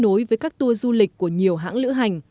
kết nối với các tour du lịch của nhiều hãng lữ hành